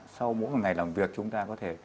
sau mỗi ngày làm việc chúng ta có thể